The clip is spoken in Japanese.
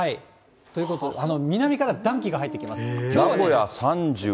ということで、南から暖気が入ってきます。